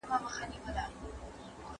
که ټولنه یو موټې سي، نو پرمختګ به ډیر سي.